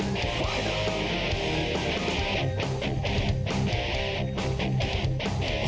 ไทยรัฐมวยไทยไฟเตอร์